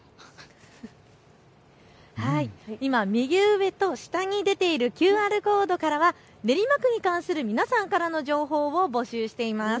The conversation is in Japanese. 今、右上と下に出ているＱＲコードからは練馬区に関する皆さんからの情報を募集しています。